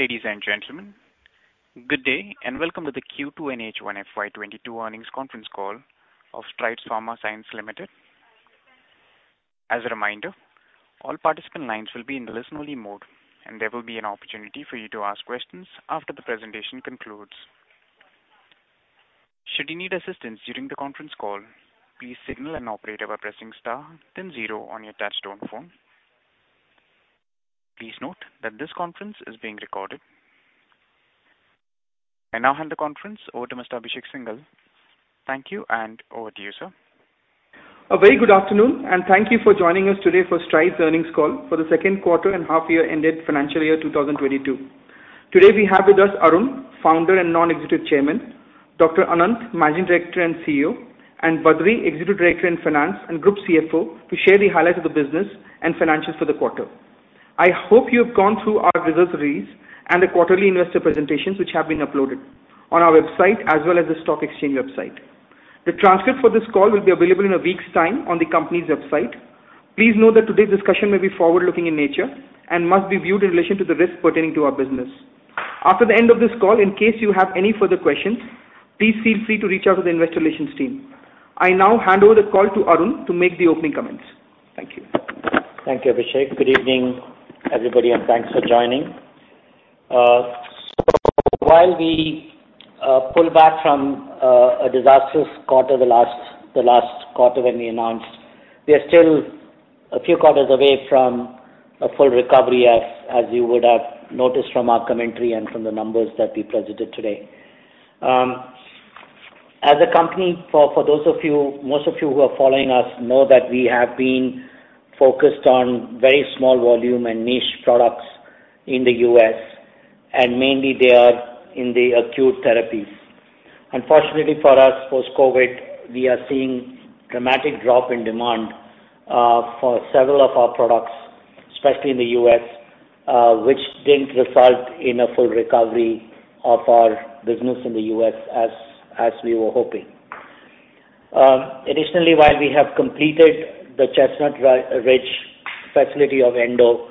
Ladies and gentlemen, good day, and welcome to the Q2 and H1 FY 2022 earnings conference call of Strides Pharma Science Limited. As a reminder, all participant lines will be in listen-only mode, and there will be an opportunity for you to ask questions after the presentation concludes. Should you need assistance during the conference call, please signal an operator by pressing star then zero on your touchtone phone. Please note that this conference is being recorded. I now hand the conference over to Mr. Abhishek Singhal. Thank you, and over to you, sir. A very good afternoon, and thank you for joining us today for Strides earnings call for the second quarter and half year ended financial year 2022. Today we have with us Arun, Founder and Non-Executive Chairman, Dr. Ananth, Managing Director and CEO, and Badree, Executive Director – Finance and Group CFO to share the highlights of the business and financials for the quarter. I hope you have gone through our results release and the quarterly investor presentations which have been uploaded on our website as well as the stock exchange website. The transcript for this call will be available in a week's time on the company's website. Please note that today's discussion may be forward-looking in nature and must be viewed in relation to the risk pertaining to our business. After the end of this call, in case you have any further questions, please feel free to reach out to the investor relations team. I now hand over the call to Arun to make the opening comments. Thank you. Thank you, Abhishek. Good evening, everybody, and thanks for joining. While we look back on a disastrous quarter, the last quarter when we announced, we are still a few quarters away from a full recovery as you would have noticed from our commentary and from the numbers that we presented today. As a company, for those of you, most of you who are following us know that we have been focused on very small volume and niche products in the U.S. and mainly they are in the acute therapies. Unfortunately for us post-COVID, we are seeing dramatic drop in demand for several of our products, especially in the U.S., which didn't result in a full recovery of our business in the U.S. as we were hoping. Additionally, while we have completed the Chestnut Ridge facility of Endo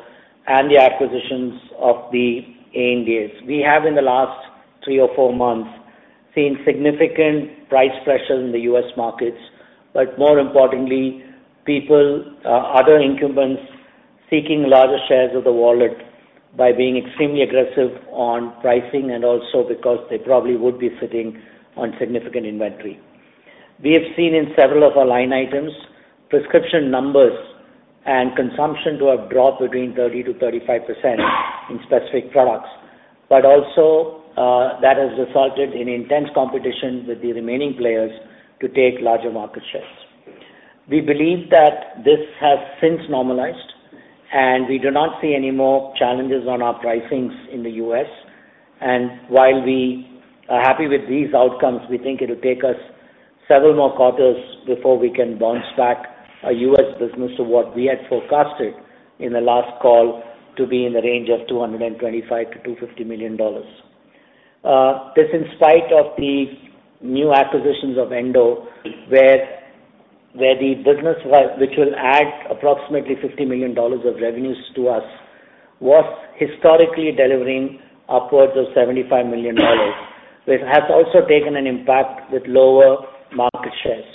and the acquisitions of the ANDAs, we have in the last three or four months seen significant price pressures in the U.S. markets, but more importantly, people, other incumbents seeking larger shares of the wallet by being extremely aggressive on pricing and also because they probably would be sitting on significant inventory. We have seen in several of our line items prescription numbers and consumption to have dropped between 30%-35% in specific products, but also, that has resulted in intense competition with the remaining players to take larger market shares. We believe that this has since normalized, and we do not see any more challenges on our pricings in the U.S. While we are happy with these outcomes, we think it'll take us several more quarters before we can bounce back our U.S. business to what we had forecasted in the last call to be in the range of $225 million-$250 million. This in spite of the new acquisitions of Endo where the business which will add approximately $50 million of revenues to us was historically delivering upwards of $75 million, which has also taken an impact with lower market shares.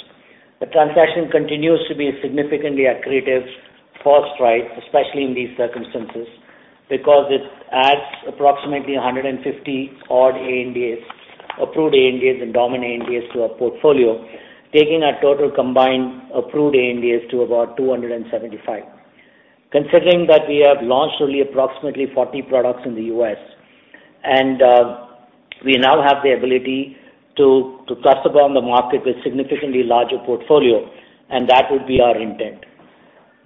The transaction continues to be significantly accretive for Strides, especially in these circumstances, because it adds approximately 150-odd ANDAs, approved ANDAs and pending ANDAs to our portfolio, taking our total combined approved ANDAs to about 275. Considering that we have launched only approximately 40 products in the U.S., and we now have the ability to cluster bomb the market with significantly larger portfolio, and that would be our intent.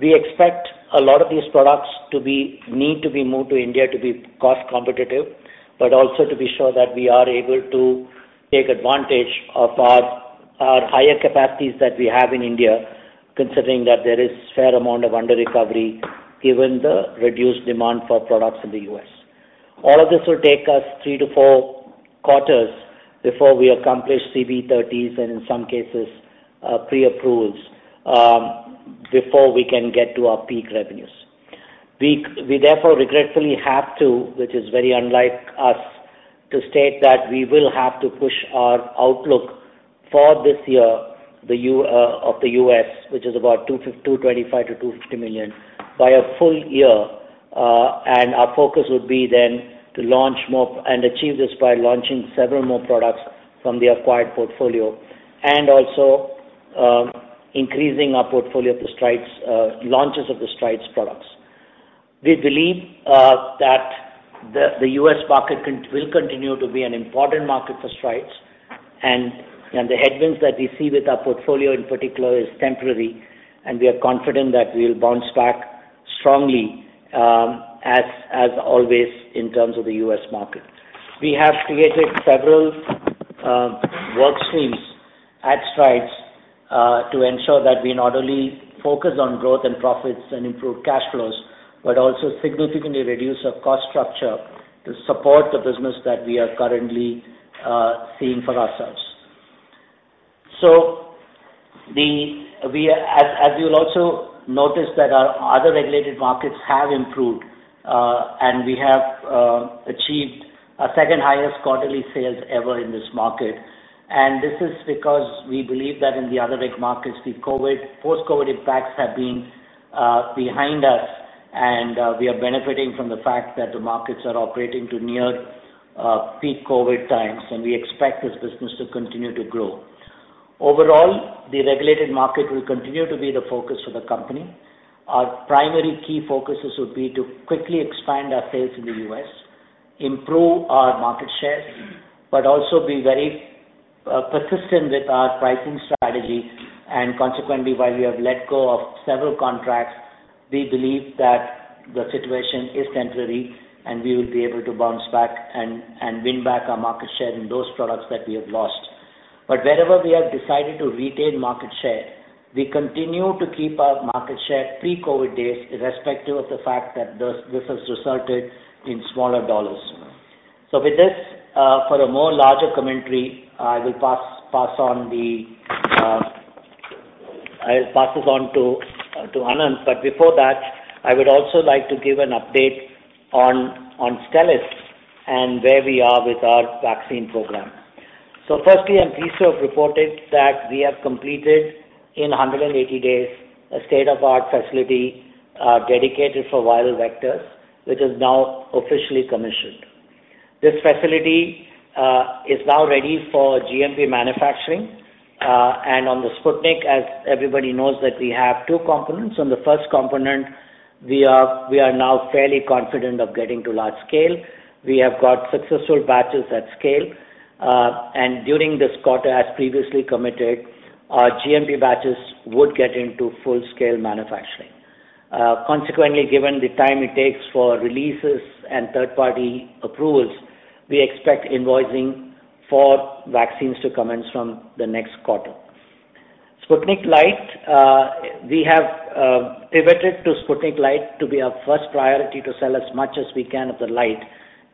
We expect a lot of these products to be moved to India to be cost competitive, but also to be sure that we are able to take advantage of our higher capacities that we have in India, considering that there is fair amount of underrecovery given the reduced demand for products in the U.S. All of this will take us three-four quarters before we accomplish CBE-30s and in some cases, pre-approvals, before we can get to our peak revenues. We therefore regretfully have to, which is very unlike us, to state that we will have to push our outlook for this year, of the U.S., which is about $225 million-$250 million by a full year. Our focus would be then to launch more and achieve this by launching several more products from the acquired portfolio and also, increasing our portfolio of the launches of the Strides products. We believe that the U.S. market will continue to be an important market for Strides and the headwinds that we see with our portfolio in particular is temporary, and we are confident that we'll bounce back strongly, as always in terms of the U.S. market. We have created several work streams at Strides to ensure that we not only focus on growth and profits and improve cash flows, but also significantly reduce our cost structure to support the business that we are currently seeing for ourselves. As you'll also notice that our other regulated markets have improved, and we have achieved our second highest quarterly sales ever in this market. This is because we believe that in the other reg markets, the post-COVID impacts have been behind us, and we are benefiting from the fact that the markets are operating to near peak COVID times, and we expect this business to continue to grow. Overall, the regulated market will continue to be the focus for the company. Our primary key focuses would be to quickly expand our sales in the U.S., improve our market share, but also be very persistent with our pricing strategy. Consequently, while we have let go of several contracts, we believe that the situation is temporary, and we will be able to bounce back and win back our market share in those products that we have lost. Wherever we have decided to retain market share, we continue to keep our market share pre-COVID days, irrespective of the fact that this has resulted in smaller dollars. With this, for a more larger commentary, I will pass this on to Ananth. Before that, I would also like to give an update on Stelis and where we are with our vaccine program. Firstly, I'm pleased to have reported that we have completed in 180 days a state-of-the-art facility dedicated for viral vectors, which is now officially commissioned. This facility is now ready for GMP manufacturing. On the Sputnik, as everybody knows that we have two components. On the first component, we are now fairly confident of getting to large scale. We have got successful batches at scale. During this quarter, as previously committed, our GMP batches would get into full scale manufacturing. Consequently, given the time it takes for releases and third-party approvals, we expect invoicing for vaccines to commence from the next quarter. Sputnik Light, we have pivoted to Sputnik Light to be our first priority to sell as much as we can of the Light,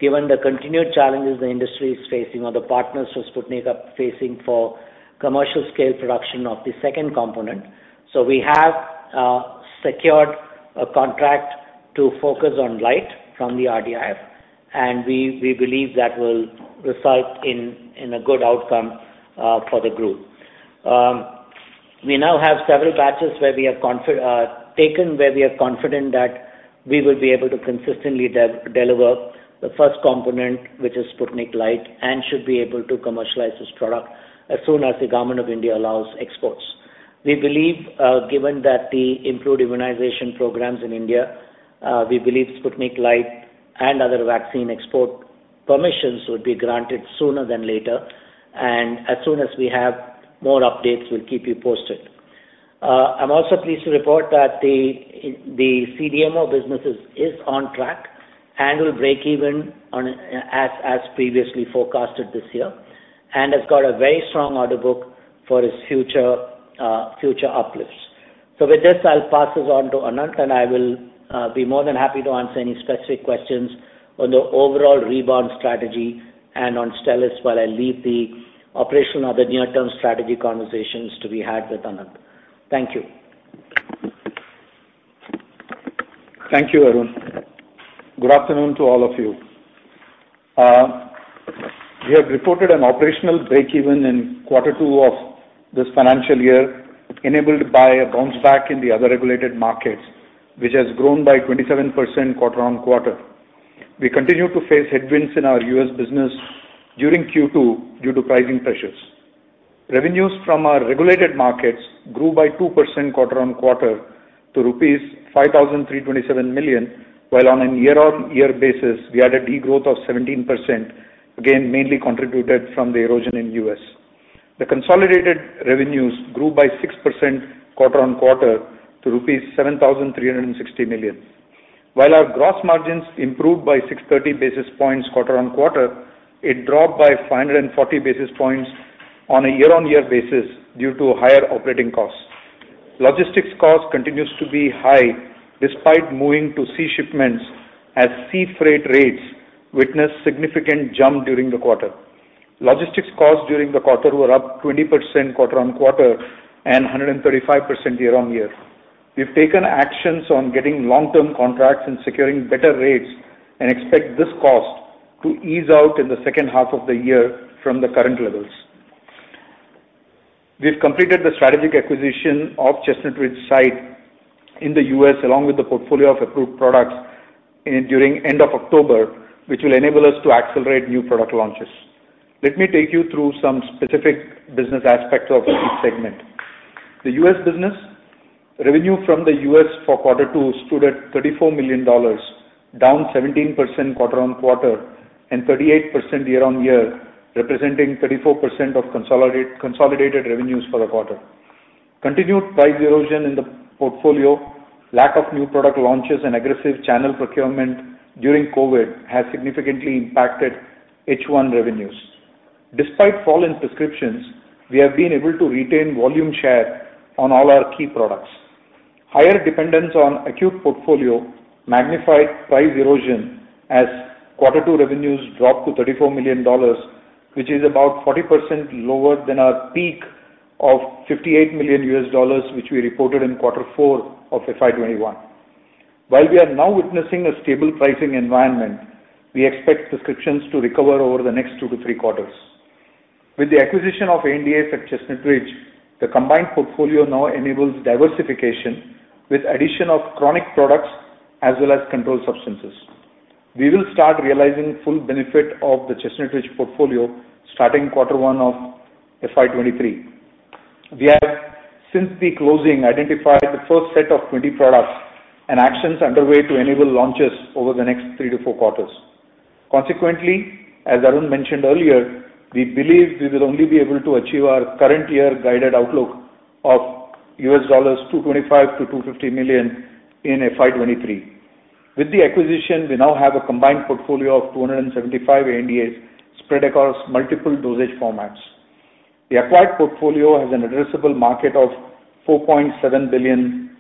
given the continued challenges the industry is facing or the partners of Sputnik are facing for commercial scale production of the second component. We have secured a contract to focus on Light from the RDIF, and we believe that will result in a good outcome for the group. We now have several batches where we are confident that we will be able to consistently deliver the first component, which is Sputnik Light, and should be able to commercialize this product as soon as the government of India allows exports. We believe, given that the improved immunization programs in India, we believe Sputnik Light and other vaccine export permissions would be granted sooner than later. As soon as we have more updates, we'll keep you posted. I'm also pleased to report that the CDMO business is on track and will break even on, as previously forecasted this year, and has got a very strong order book for its future uplifts. With this, I'll pass this on to Ananth, and I will be more than happy to answer any specific questions on the overall rebound strategy and on Stelis, while I leave the operational or the near-term strategy conversations to be had with Ananth. Thank you. Thank you, Arun. Good afternoon to all of you. We have reported an operational break-even in quarter two of this financial year, enabled by a bounce back in the other regulated markets, which has grown by 27% quarter-on-quarter. We continue to face headwinds in our U.S. business during Q2 due to pricing pressures. Revenues from our regulated markets grew by 2% quarter-on-quarter to rupees 5,327 million, while on a year-on-year basis, we had a degrowth of 17%, again mainly contributed from the erosion in U.S. The consolidated revenues grew by 6% quarter-on-quarter to rupees 7,360 million. While our gross margins improved by 630 basis points quarter-on-quarter, it dropped by 540 basis points on a year-on-year basis due to higher operating costs. Logistics cost continues to be high despite moving to sea shipments as sea freight rates witnessed significant jump during the quarter. Logistics costs during the quarter were up 20% quarter-on-quarter and 135% year-on-year. We've taken actions on getting long-term contracts and securing better rates and expect this cost to ease out in the second half of the year from the current levels. We've completed the strategic acquisition of Chestnut Ridge site in the U.S. along with the portfolio of approved products during end of October, which will enable us to accelerate new product launches. Let me take you through some specific business aspects of each segment. The U.S. business, revenue from the U.S. for quarter two stood at $34 million, down 17% quarter-on-quarter and 38% year-on-year, representing 34% of consolidated revenues for the quarter. Continued price erosion in the portfolio, lack of new product launches and aggressive channel procurement during COVID has significantly impacted H1 revenues. Despite fall in prescriptions, we have been able to retain volume share on all our key products. Higher dependence on acute portfolio magnified price erosion as quarter two revenues dropped to $34 million, which is about 40% lower than our peak of $58 million, which we reported in quarter four of FY 2021. While we are now witnessing a stable pricing environment, we expect prescriptions to recover over the next two to three quarters. With the acquisition of ANDAs at Chestnut Ridge, the combined portfolio now enables diversification with addition of chronic products as well as controlled substances. We will start realizing full benefit of the Chestnut Ridge portfolio starting quarter one of FY 2023. We have since the closing identified the first set of 20 products and actions underway to enable launches over the next three-four quarters. Consequently, as Arun mentioned earlier, we believe we will only be able to achieve our current year guided outlook of $225 million-$250 million in FY 2023. With the acquisition, we now have a combined portfolio of 275 ANDAs spread across multiple dosage formats. The acquired portfolio has an addressable market of $4.7 billion.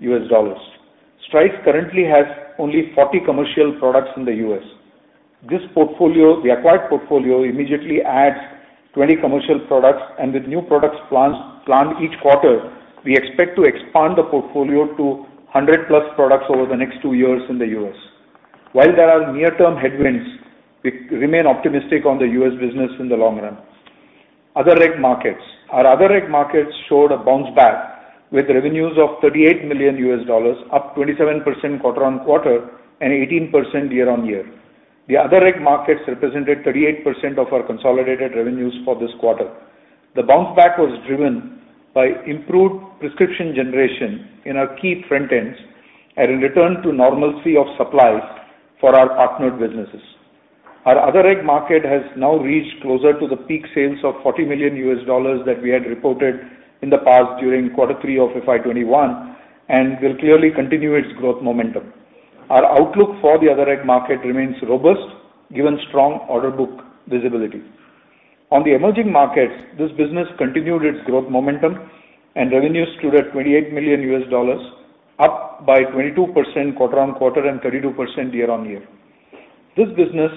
Strides currently has only 40 commercial products in the U.S. This portfolio, the acquired portfolio, immediately adds 20 commercial products, and with new products planned each quarter, we expect to expand the portfolio to 100+ products over the next two years in the U.S. While there are near-term headwinds, we remain optimistic on the U.S. business in the long run. Other reg markets. Our other reg markets showed a bounce back with revenues of $38 million, up 27% quarter-on-quarter and 18% year-on-year. The other reg markets represented 38% of our consolidated revenues for this quarter. The bounce back was driven by improved prescription generation in our key front ends and a return to normalcy of supplies for our partner businesses. Our other reg market has now reached closer to the peak sales of $40 million that we had reported in the past during Q3 of FY 2021 and will clearly continue its growth momentum. Our outlook for the other reg market remains robust given strong order book visibility. On the emerging markets, this business continued its growth momentum and revenues stood at $28 million, up 22% quarter-on-quarter and 32% year-on-year. This business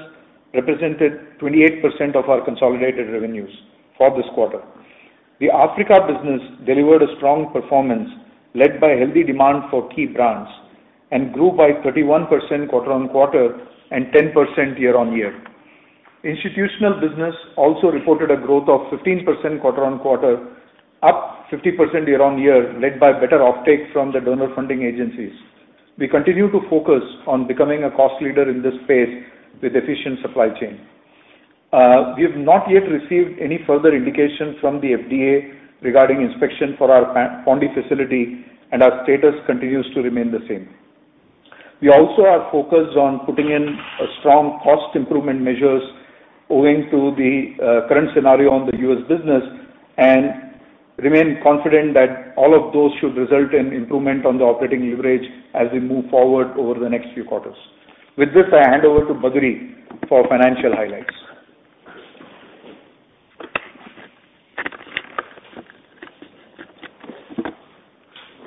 represented 28% of our consolidated revenues for this quarter. The Africa business delivered a strong performance led by healthy demand for key brands and grew 31% quarter-on-quarter and 10% year-on-year. Institutional business also reported a growth of 15% quarter-on-quarter, up 50% year-on-year, led by better offtake from the donor funding agencies. We continue to focus on becoming a cost leader in this space with efficient supply chain. We have not yet received any further indication from the FDA regarding inspection for our Puducherry facility, and our status continues to remain the same. We also are focused on putting in a strong cost improvement measures owing to the current scenario on the U.S. business and remain confident that all of those should result in improvement on the operating leverage as we move forward over the next few quarters. With this, I hand over to Badree for financial highlights.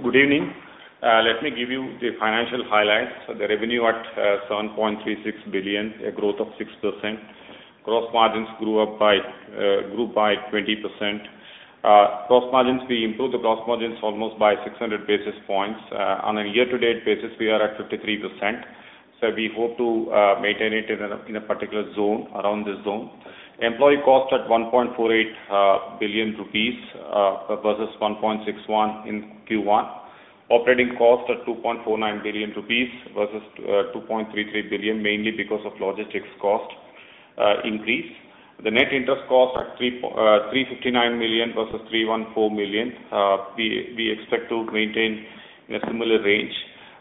Good evening. Let me give you the financial highlights. The revenue at 7.36 billion, a growth of 6%. Gross margins grew by 20%. Gross margins, we improved the gross margins almost by 600 basis points. On a year-to-date basis, we are at 53%, so we hope to maintain it in a particular zone, around this zone. Employee cost at 1.48 billion rupees versus 1.61 in Q1. Operating cost at 2.49 billion rupees versus 2.33 billion, mainly because of logistics cost increase. The net interest cost at 359 million versus 314 million. We expect to maintain in a similar range.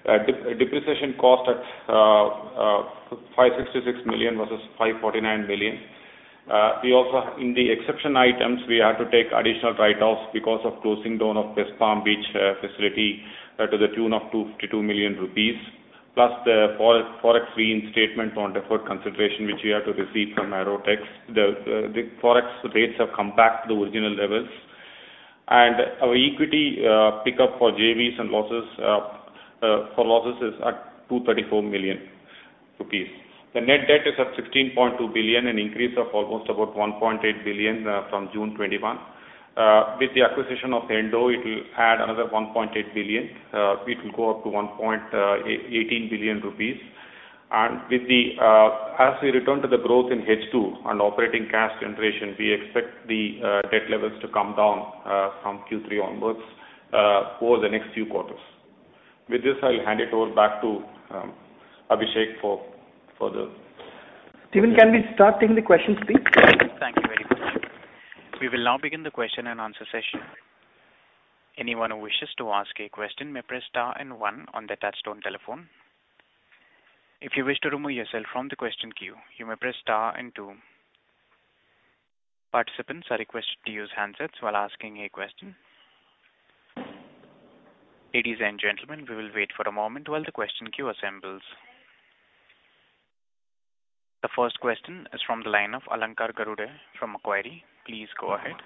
Depreciation cost at 566 million versus 549 million. We also have in the exception items, we have to take additional write-offs because of closing down of West Palm Beach facility to the tune of 252 million rupees, plus the Forex reinstatement on deferred consideration, which we have to receive from Arrotex. The Forex rates have come back to the original levels. Our equity pickup for JVs and losses is at 234 million rupees. The net debt is at 16.2 billion, an increase of almost about 1.8 billion from June 2021. With the acquisition of Endo, it will add another 1.8 billion. It will go up to 18 billion rupees. As we return to the growth in H2 on operating cash generation, we expect the debt levels to come down from Q3 onwards over the next few quarters. With this, I'll hand it over back to Abhishek for the- Steven, can we start taking the questions please? Thank you very much. We will now begin the question and answer session. Anyone who wishes to ask a question may press star and one on the touchtone telephone. If you wish to remove yourself from the question queue, you may press star and two. Participants are requested to use handsets while asking a question. Ladies and gentlemen, we will wait for a moment while the question queue assembles. The first question is from the line of Alankar Garude from Kotak. Please go ahead.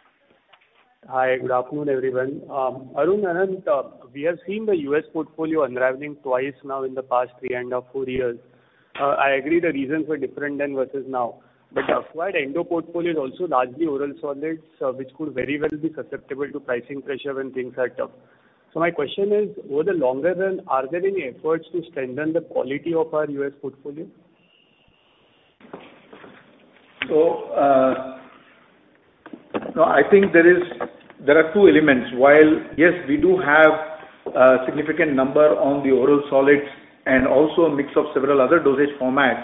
Hi. Good afternoon, everyone. Arun, Ananth, we have seen the U.S. portfolio unraveling twice now in the past 3.5-4 years. I agree the reasons were different than versus now. The acquired Endo portfolio is also largely oral solids, which could very well be susceptible to pricing pressure when things are tough. My question is over the longer run, are there any efforts to strengthen the quality of our U.S. portfolio? No, I think there are two elements. While, yes, we do have a significant number on the oral solids and also a mix of several other dosage formats,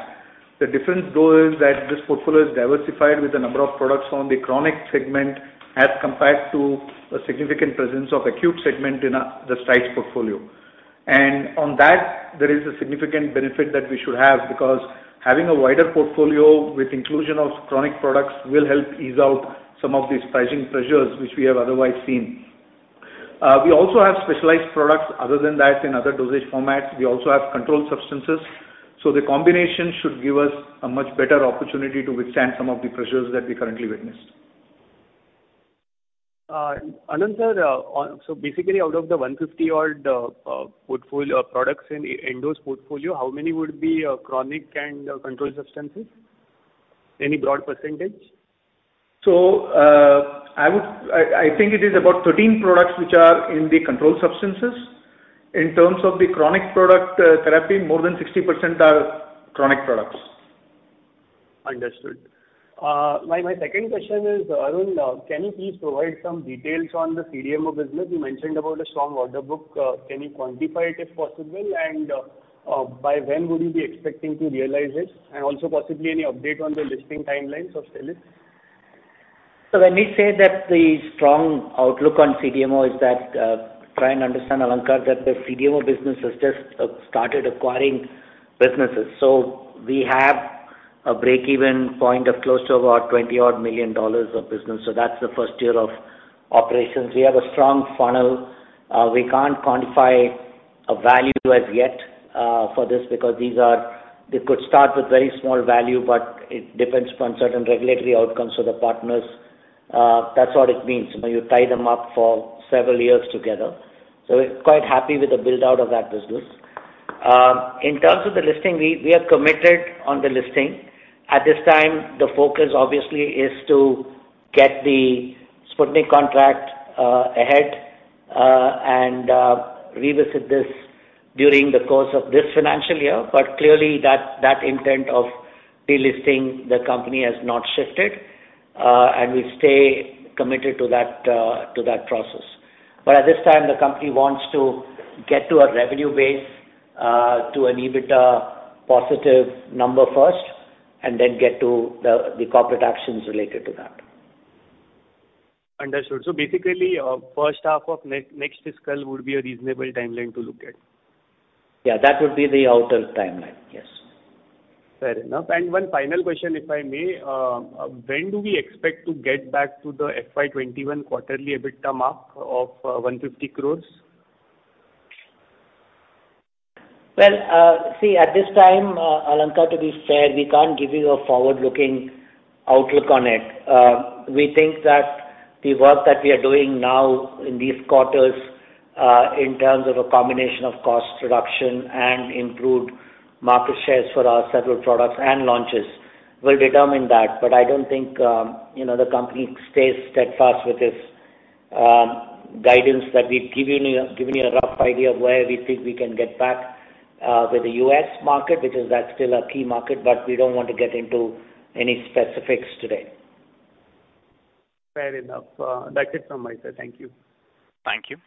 the difference though is that this portfolio is diversified with a number of products from the chronic segment as compared to a significant presence of acute segment in the Strides portfolio. On that, there is a significant benefit that we should have because having a wider portfolio with inclusion of chronic products will help ease out some of these pricing pressures which we have otherwise seen. We also have specialized products other than that in other dosage formats. We also have controlled substances. The combination should give us a much better opportunity to withstand some of the pressures that we currently witnessed. Ananth, sir, basically, out of the 150 odd products in Endo's portfolio, how many would be chronic and controlled substances? Any broad percentage? I think it is about 13 products which are in the controlled substances. In terms of the chronic product therapy, more than 60% are chronic products. Understood. My second question is, Arun, can you please provide some details on the CDMO business? You mentioned about a strong order book. Can you quantify it if possible, and by when would you be expecting to realize it? Also possibly any update on the listing timelines of Stelis? When we say that the strong outlook on CDMO is that, try and understand, Alankar, that the CDMO business has just started acquiring businesses. We have a break-even point of close to about $20-odd million of business, that's the first year of operations. We have a strong funnel. We can't quantify a value as yet, for this because these are, they could start with very small value, but it depends upon certain regulatory outcomes for the partners. That's what it means when you tie them up for several years together. We're quite happy with the build-out of that business. In terms of the listing, we are committed on the listing. At this time, the focus obviously is to get the Sputnik contract ahead, and revisit this during the course of this financial year. Clearly that intent of delisting the company has not shifted, and we stay committed to that process. At this time, the company wants to get to a revenue base, to an EBITDA positive number first and then get to the corporate actions related to that. Understood. Basically, first half of next fiscal would be a reasonable timeline to look at. Yeah, that would be the outer timeline. Yes. Fair enough. One final question, if I may. When do we expect to get back to the FY 2021 quarterly EBITDA mark of 150 crore? Well, see, at this time, Alankar, to be fair, we can't give you a forward-looking outlook on it. We think that the work that we are doing now in these quarters, in terms of a combination of cost reduction and improved market shares for our several products and launches will determine that. I don't think, you know, the company stays steadfast with its, guidance that we've given you a rough idea of where we think we can get back, with the U.S. market, because that's still a key market, but we don't want to get into any specifics today. Fair enough. That's it from my side. Thank you. Thank you.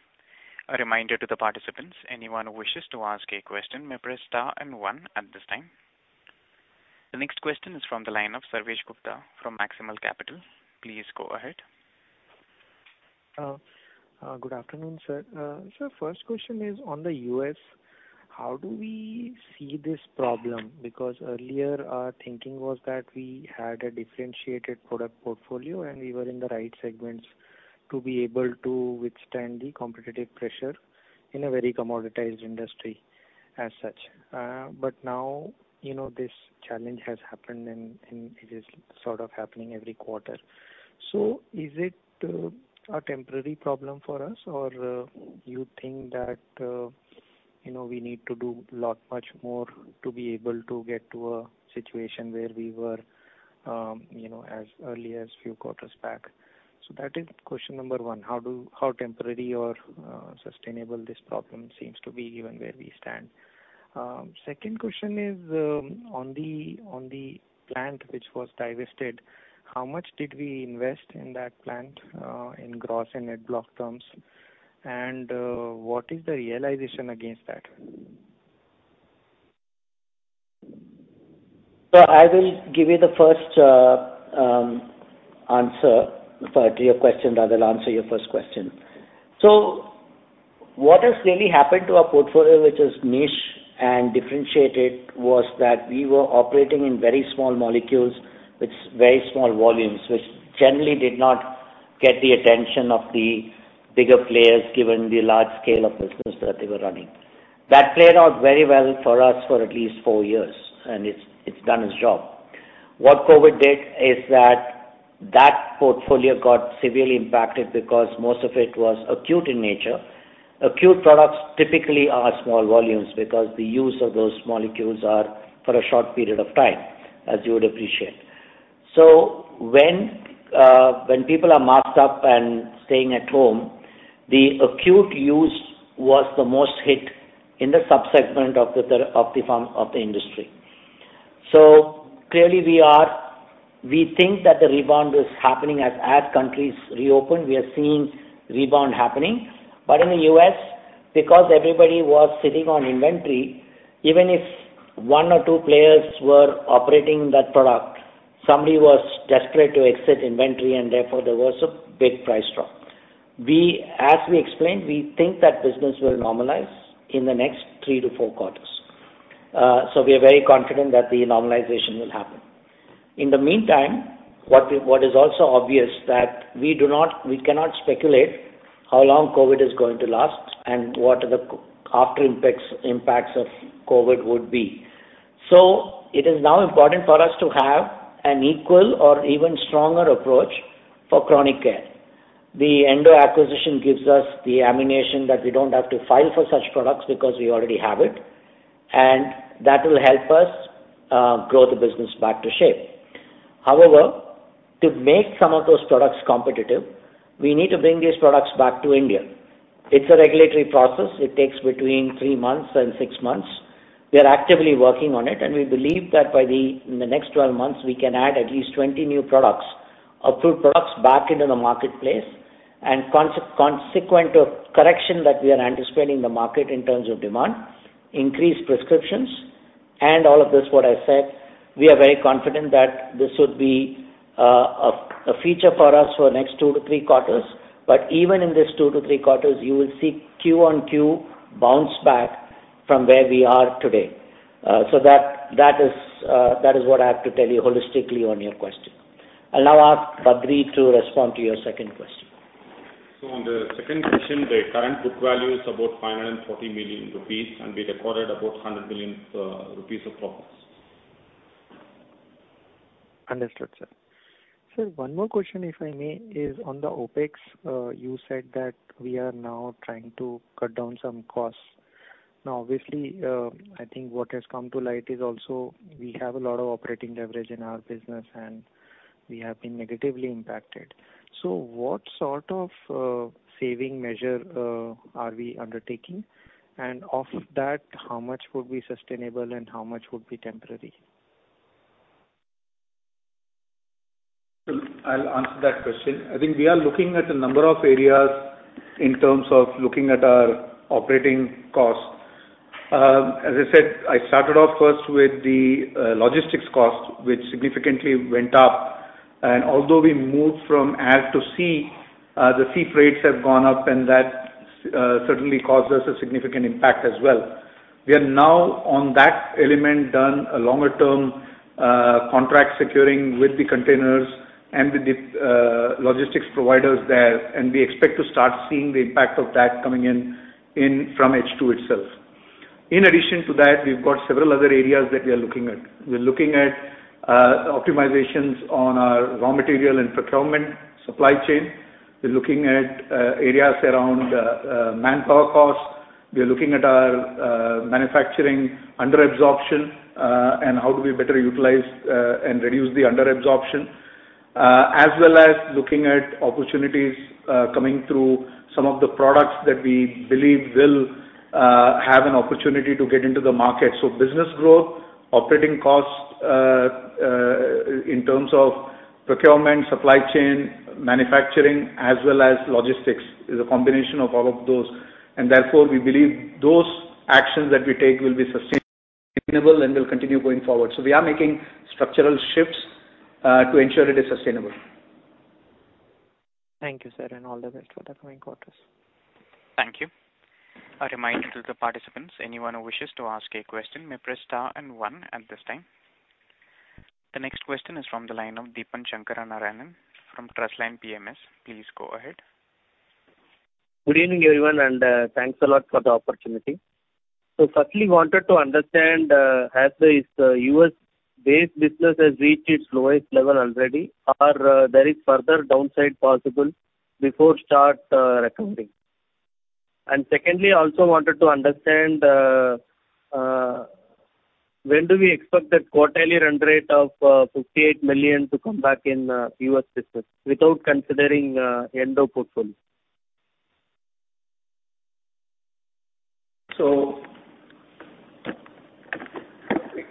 A reminder to the participants, anyone who wishes to ask a question may press star and one at this time. The next question is from the line of Sarvesh Gupta from Maximal Capital. Please go ahead. Good afternoon, sir. Sir, first question is on the U.S. How do we see this problem? Because earlier our thinking was that we had a differentiated product portfolio, and we were in the right segments to be able to withstand the competitive pressure in a very commoditized industry as such. But now, you know, this challenge has happened and it is sort of happening every quarter. So is it a temporary problem for us? Or you think that, you know, we need to do a lot more to be able to get to a situation where we were, you know, as early as a few quarters back? So that is question number one. How temporary or sustainable this problem seems to be given where we stand? Second question is, on the plant which was divested, how much did we invest in that plant, in gross and net block terms? What is the realization against that? I will give you the first answer to your question, or I will answer your first question. What has really happened to our portfolio, which is niche and differentiated, was that we were operating in very small molecules with very small volumes, which generally did not get the attention of the bigger players, given the large scale of business that they were running. That played out very well for us for at least four years, and it's done its job. What COVID did is that that portfolio got severely impacted because most of it was acute in nature. Acute products typically are small volumes because the use of those molecules are for a short period of time, as you would appreciate. When people are masked up and staying at home, the acute use was the most hit in the sub-segment of the therapeutics of the pharma of the industry. Clearly, we think that the rebound is happening as countries reopen, we are seeing rebound happening. In the U.S., because everybody was sitting on inventory, even if one or two players were operating that product, somebody was desperate to exit inventory and therefore there was a big price drop. As we explained, we think that business will normalize in the next three-four quarters. We are very confident that the normalization will happen. In the meantime, what is also obvious is that we cannot speculate how long COVID is going to last and what the after impacts of COVID would be. It is now important for us to have an equal or even stronger approach for chronic care. The Endo acquisition gives us the ammunition that we don't have to file for such products because we already have it, and that will help us grow the business back to shape. However, to make some of those products competitive, we need to bring these products back to India. It's a regulatory process. It takes between three months and six months. We are actively working on it, and we believe that in the next 12 months, we can add at least 20 new products, approved products back into the marketplace. Consequence of correction that we are anticipating in the market in terms of demand, increased prescriptions and all of this, what I said, we are very confident that this would be a feature for us for next two to three quarters. Even in this two to three quarters, you will see Q-on-Q bounce back from where we are today. That is what I have to tell you holistically on your question. I'll now ask Badree to respond to your second question. On the second question, the current book value is about 540 million rupees, and we recorded about 100 million rupees of profits. Understood, sir. Sir, one more question, if I may, is on the OpEx. You said that we are now trying to cut down some costs. Now, obviously, I think what has come to light is also we have a lot of operating leverage in our business, and we have been negatively impacted. What sort of saving measure are we undertaking? And of that, how much would be sustainable and how much would be temporary? I'll answer that question. I think we are looking at a number of areas in terms of looking at our operating costs. As I said, I started off first with the logistics cost, which significantly went up. Although we moved from air to sea, the sea freights have gone up and that certainly caused us a significant impact as well. We are now on that element done a longer term contract securing with the containers and the logistics providers there, and we expect to start seeing the impact of that coming in from H2 itself. In addition to that, we've got several other areas that we are looking at. We're looking at optimizations on our raw material and procurement supply chain. We're looking at areas around manpower costs. We are looking at our manufacturing under absorption, and how do we better utilize and reduce the under absorption, as well as looking at opportunities coming through some of the products that we believe will have an opportunity to get into the market. Business growth, operating costs in terms of procurement, supply chain, manufacturing, as well as logistics, is a combination of all of those. Therefore, we believe those actions that we take will be sustainable and will continue going forward. We are making structural shifts to ensure it is sustainable. Thank you, sir, and all the best for the coming quarters. Thank you. A reminder to the participants, anyone who wishes to ask a question may press star and one at this time. The next question is from the line of Deepan Sankara Narayanan from Trustline PMS. Please go ahead. Good evening, everyone, and thanks a lot for the opportunity. Firstly, I wanted to understand, has this U.S.-based business reached its lowest level already or there is further downside possible before start recovering? Secondly, I also wanted to understand, when do we expect that quarterly run rate of $58 million to come back in U.S. business without considering Endo portfolio?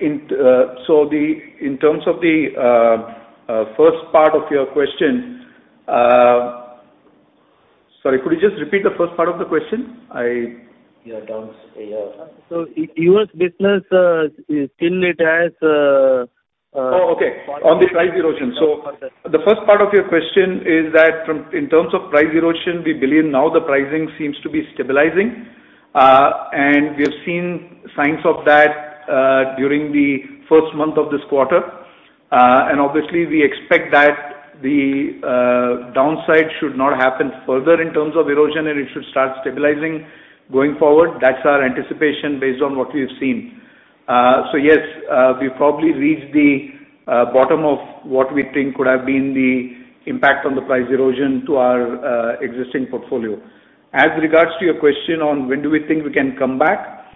In terms of the first part of your question- sorry, could you just repeat the first part of the question? I- U.S. business still it has- On the price erosion. The first part of your question is that in terms of price erosion, we believe now the pricing seems to be stabilizing. We have seen signs of that during the first month of this quarter. Obviously we expect that the downside should not happen further in terms of erosion and it should start stabilizing going forward. That's our anticipation based on what we've seen. Yes, we've probably reached the bottom of what we think could have been the impact on the price erosion to our existing portfolio. As regards to your question on when do we think we can come back,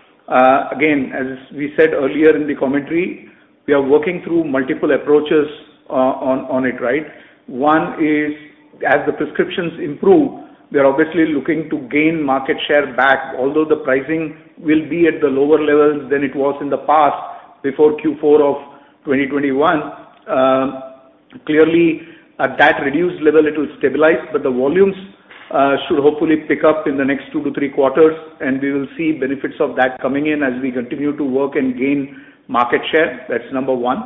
again, as we said earlier in the commentary, we are working through multiple approaches on it, right? One is as the prescriptions improve, we are obviously looking to gain market share back, although the pricing will be at the lower levels than it was in the past, before Q4 of 2021. Clearly at that reduced level it will stabilize, but the volumes should hopefully pick up in the next two-three quarters, and we will see benefits of that coming in as we continue to work and gain market share. That's number one.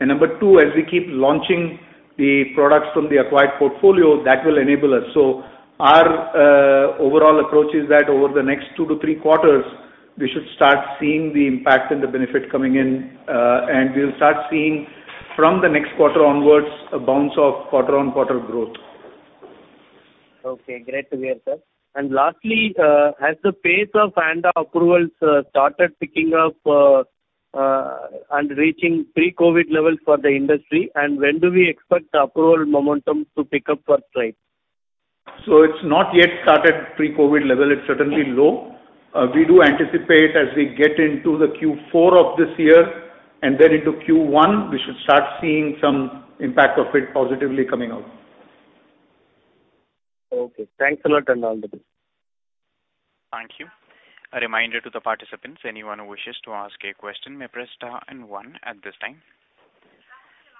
Number two, as we keep launching the products from the acquired portfolio, that will enable us. Our overall approach is that over the next two-three quarters, we should start seeing the impact and the benefit coming in, and we'll start seeing from the next quarter onwards a bounce of quarter-on-quarter growth. Okay. Great to hear, sir. Lastly, has the pace of ANDA approvals started picking up and reaching pre-COVID levels for the industry? When do we expect the approval momentum to pick up for Strides? It's not yet started pre-COVID level. It's certainly low. We do anticipate as we get into the Q4 of this year and then into Q1, we should start seeing some impact of it positively coming out. Okay. Thanks a lot, and all the best. Thank you. A reminder to the participants, anyone who wishes to ask a question, may press star and one at this time.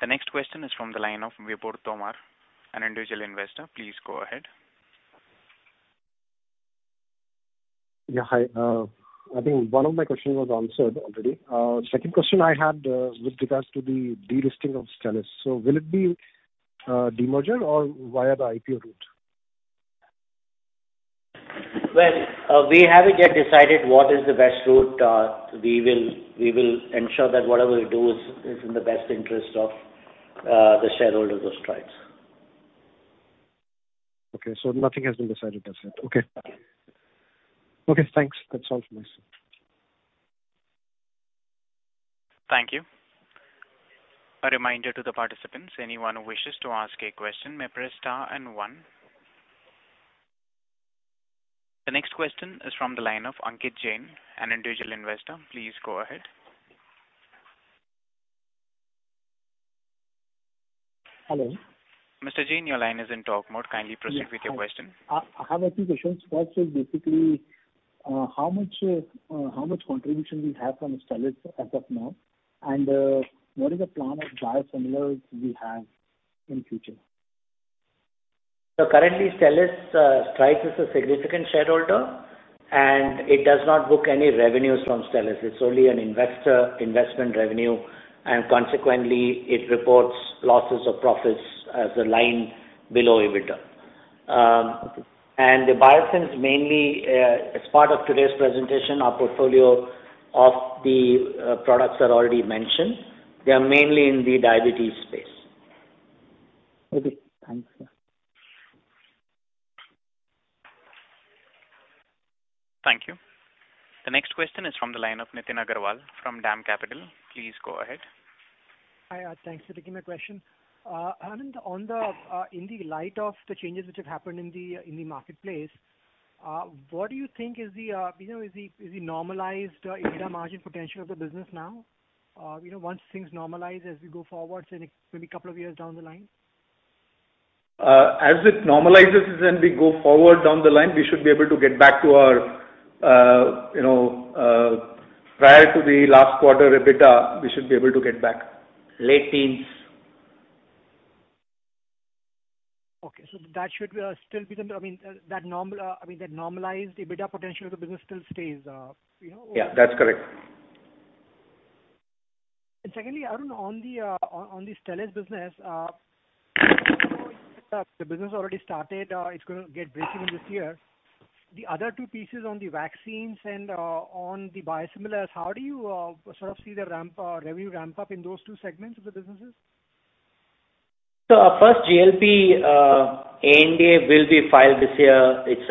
The next question is from the line of Vipor Tomar, an individual investor. Please go ahead. Yeah, hi. I think one of my questions was answered already. Second question I had, with regards to the delisting of Stelis. Will it be demerger or via the IPO route? Well, we haven't yet decided what is the best route. We will ensure that whatever we do is in the best interest of the shareholders of Strides. Okay. Nothing has been decided as yet. Okay. Okay, thanks. That's all from my side. Thank you. A reminder to the participants, anyone who wishes to ask a question, may press star and one. The next question is from the line of Ankit Jain, an individual investor. Please go ahead. Hello. Mr. Jain, your line is in talk mode. Kindly proceed with your question. Yes. I have a few questions. First is basically, how much contribution we have from Stelis as of now? And, what is the plan of biosimilars we have in future? Currently, Stelis, Strides is a significant shareholder, and it does not book any revenues from Stelis. It's only an investor, investment revenue, and consequently it reports losses or profits as a line below EBITDA. Okay. The biosims mainly, as part of today's presentation, our portfolio of the products are already mentioned. They are mainly in the diabetes space. Okay. Thanks, sir. Thank you. The next question is from the line of Nitin Agarwal from DAM Capital. Please go ahead. Hi, thanks for taking my question. Ananth, in the light of the changes which have happened in the marketplace, what do you think is the, you know, is the normalized EBITDA margin potential of the business now? You know, once things normalize as we go forward in a maybe couple of years down the line. As it normalizes and we go forward down the line, we should be able to get back to our, you know, prior to the last quarter EBITDA. We should be able to get back. Late teens. Okay. That should still be the, I mean, that normalized EBITDA potential of the business still stays, you know. Yeah, that's correct. Secondly, Arun, on the Stelis business, the business already started, it's gonna get ramping in this year. The other two pieces on the vaccines and on the biosimilars, how do you sort of see the ramp or revenue ramp up in those two segments of the businesses? Our first GLP-1 ANDA will be filed this year. It's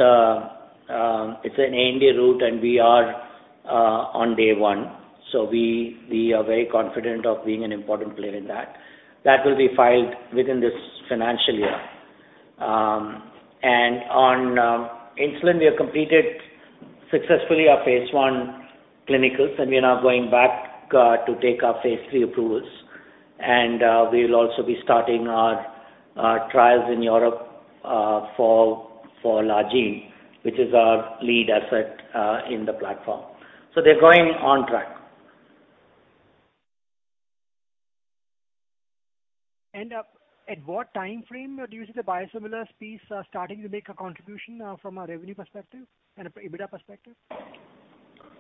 an ANDA route and we are on day one. We are very confident of being an important player in that. That will be filed within this financial year. On insulin, we have completed successfully our phase I clinicals, and we are now going back to take our phase III approvals. We'll also be starting our trials in Europe for Lajin, which is our lead asset in the platform. They're going on track. At what time frame do you see the biosimilars piece starting to make a contribution from a revenue perspective and a EBITDA perspective?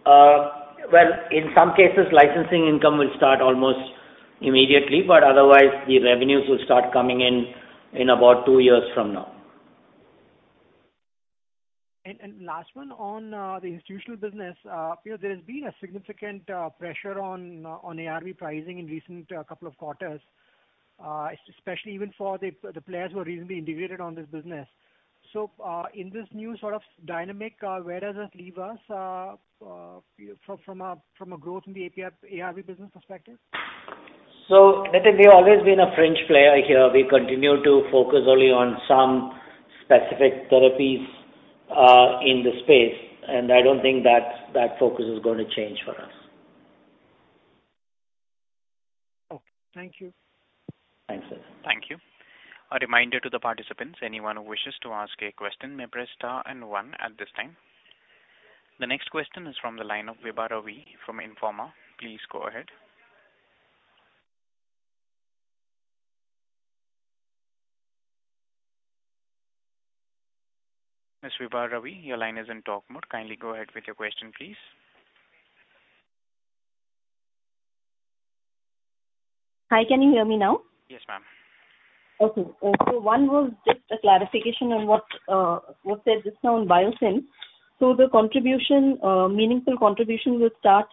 Well, in some cases, licensing income will start almost immediately, but otherwise the revenues will start coming in about two years from now. Last one on the institutional business. You know, there has been a significant pressure on ARV pricing in recent couple of quarters. Especially even for the players who are reasonably integrated on this business. In this new sort of dynamic, where does this leave us, you know, from a growth in the ARV business perspective? Nitin, we've always been a fringe player here. We continue to focus only on some specific therapies in the space, and I don't think that focus is gonna change for us. Okay. Thank you. Thanks, Nitin. Thank you. A reminder to the participants, anyone who wishes to ask a question, may press star and one at this time. The next question is from the line of Vibha Ravi from Informa. Please go ahead. Ms. Vibha Ravi, your line is in talk mode. Kindly go ahead with your question, please. Hi, can you hear me now? Yes, ma'am. Okay. One was just a clarification on what was said just now on biosimilars. The meaningful contribution will start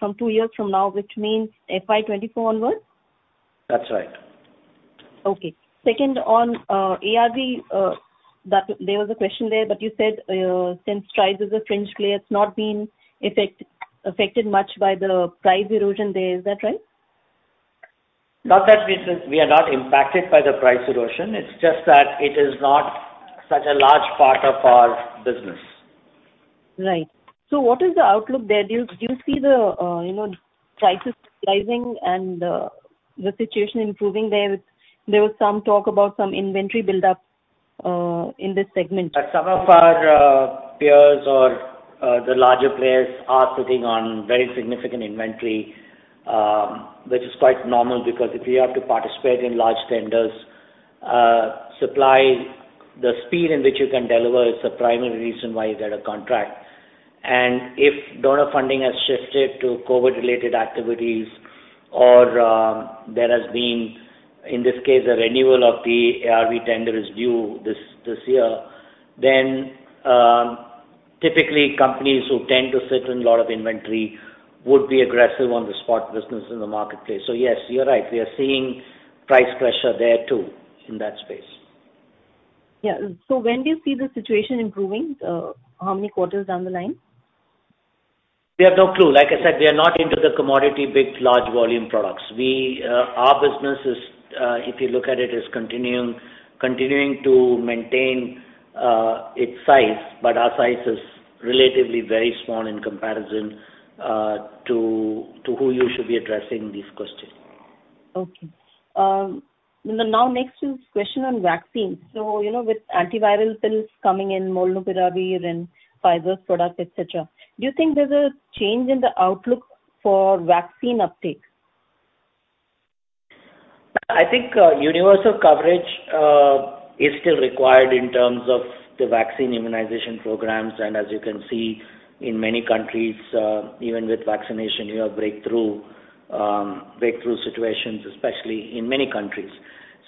from two years from now, which means FY 2024 onward? That's right. Okay. Second one on ARV, that there was a question there, but you said, since Strides is a fringe player, it's not been affected much by the price erosion there. Is that right? Not that we say we are not impacted by the price erosion. It's just that it is not such a large part of our business. Right. What is the outlook there? Do you see the you know, prices rising and the situation improving there? There was some talk about some inventory buildup in this segment. Some of our peers or the larger players are sitting on very significant inventory, which is quite normal because if you have to participate in large tenders, the speed in which you can deliver is the primary reason why you get a contract. If donor funding has shifted to COVID related activities or there has been, in this case, a renewal of the ARV tender is due this year, then typically companies who tend to sit on a lot of inventory would be aggressive on the spot business in the marketplace. Yes, you're right, we are seeing price pressure there too in that space. Yeah. When do you see the situation improving? How many quarters down the line? We have no clue. Like I said, we are not into the commodity big, large volume products. Our business is, if you look at it, continuing to maintain its size, but our size is relatively very small in comparison to who you should be addressing these questions. Okay. Now next is question on vaccines. You know, with antiviral pills coming in, Molnupiravir and Pfizer's product, et cetera, do you think there's a change in the outlook for vaccine uptake? I think universal coverage is still required in terms of the vaccine immunization programs. As you can see in many countries, even with vaccination, you have breakthrough situations, especially in many countries.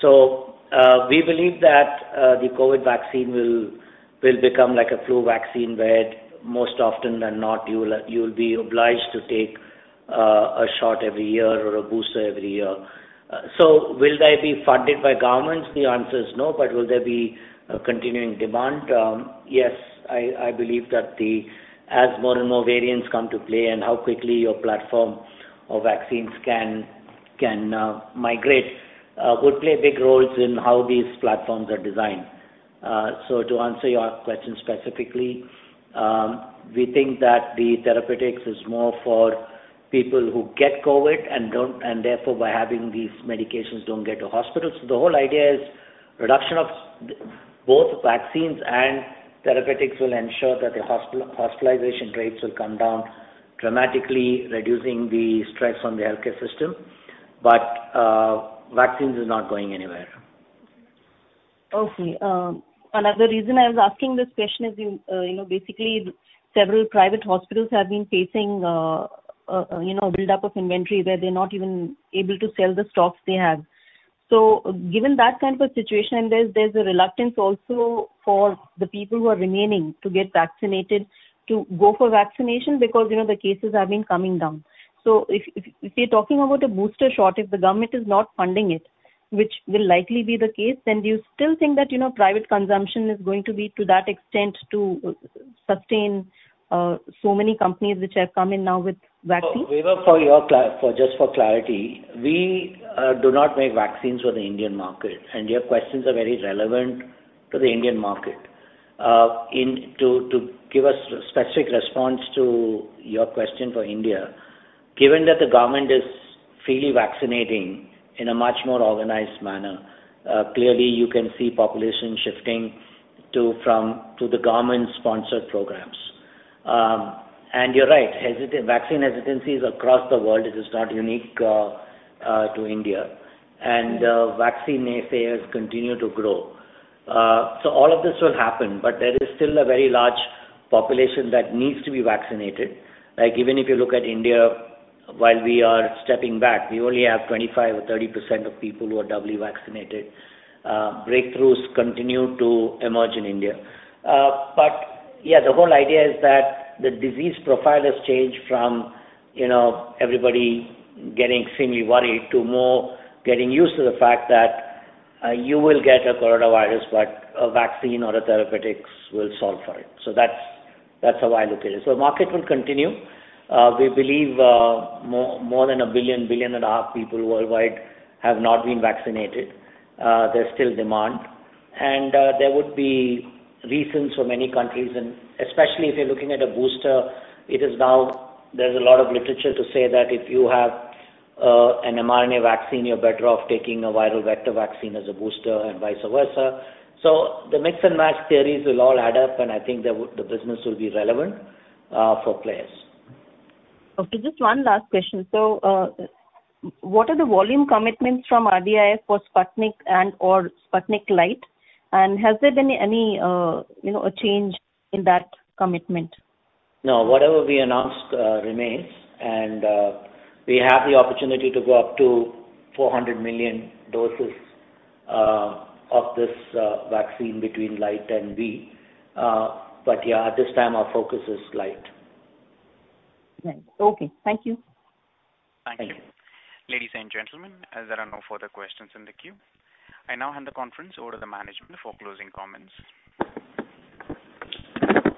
We believe that the COVID vaccine will become like a flu vaccine, where more often than not you'll be obliged to take a shot every year or a booster every year. Will they be funded by governments? The answer is no. Will there be a continuing demand? Yes, I believe that as more and more variants come to play and how quickly your platform of vaccines can migrate would play big roles in how these platforms are designed. To answer your question specifically, we think that the therapeutics is more for people who get COVID, and therefore by having these medications, don't get to hospitals. The whole idea is reduction of both vaccines and therapeutics will ensure that the hospitalization rates will come down dramatically, reducing the stress on the healthcare system. Vaccines is not going anywhere. Okay. Another reason I was asking this question is, you know, basically several private hospitals have been facing, you know, buildup of inventory where they're not even able to sell the stocks they have. Given that kind of a situation, there's a reluctance also for the people who are remaining to get vaccinated to go for vaccination because, you know, the cases have been coming down. If you're talking about a booster shot, if the government is not funding it, which will likely be the case, then do you still think that, you know, private consumption is going to be to that extent to sustain so many companies which have come in now with vaccines? Vibha, just for clarity, we do not make vaccines for the Indian market, and your questions are very relevant to the Indian market. To give a specific response to your question for India, given that the government is freely vaccinating in a much more organized manner, clearly you can see population shifting to the government-sponsored programs. You're right, vaccine hesitancy is across the world. This is not unique to India. Vaccine naysayers continue to grow. All of this will happen, but there is still a very large population that needs to be vaccinated. Like even if you look at India, while we are stepping back, we only have 25% or 30% of people who are doubly vaccinated. Breakthroughs continue to emerge in India. Yeah, the whole idea is that the disease profile has changed from, you know, everybody getting extremely worried to more getting used to the fact that, you will get a coronavirus, but a vaccine or a therapeutics will solve for it. That's how I look at it. Market will continue. We believe more than 1.5 billion people worldwide have not been vaccinated. There's still demand, and there would be reasons for many countries and especially if you're looking at a booster. It is now- there's a lot of literature to say that if you have an mRNA vaccine, you're better off taking a viral vector vaccine as a booster and vice versa. The mix and match theories will all add up, and I think the business will be relevant for players. Okay, just one last question. What are the volume commitments from RDIF for Sputnik and or Sputnik Light? And has there been any, a change in that commitment? No, whatever we announced remains. We have the opportunity to go up to 400 million doses of this vaccine between Light and V. Yeah, at this time, our focus is Light. Right. Okay. Thank you. Thank you. Thank you. Ladies and gentlemen, as there are no further questions in the queue, I now hand the conference over to the management for closing comments.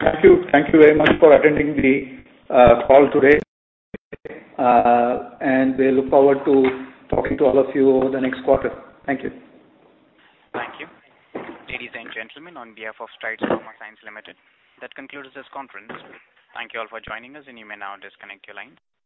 Thank you. Thank you very much for attending the call today. We look forward to talking to all of you over the next quarter. Thank you. Thank you. Ladies and gentlemen, on behalf of Strides Pharma Science Limited, that concludes this conference. Thank you all for joining us, and you may now disconnect your line.